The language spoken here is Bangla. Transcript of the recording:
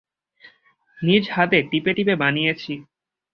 নিজ হাতে টিপে টিপে বানিয়েছি।